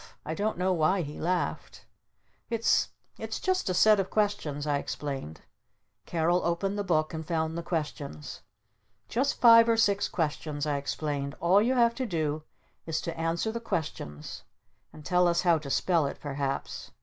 I don't know why he laughed. "It's it's just a set of questions," I explained. Carol opened the Book and found the questions. "Just five or six questions," I explained. "All you have to do is to answer the questions and tell us how to spell it perhaps.